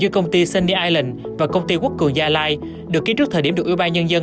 công ty sunny island và công ty quốc cường gia lai được ký trước thời điểm được ủy ban nhân dân